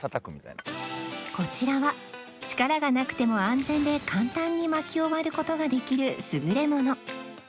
こちらは力がなくても安全で簡単に薪を割る事ができる優れもの